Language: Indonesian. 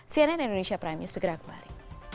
cnn indonesia prime news segera kembali